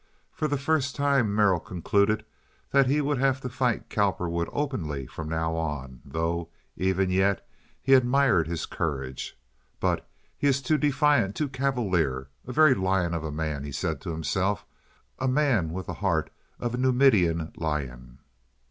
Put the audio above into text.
For the first time Merrill concluded that he would have to fight Cowperwood openly from now on, though even yet he admired his courage. "But he is too defiant, too cavalier! A very lion of a man," he said to himself. "A man with the heart of a Numidian lion."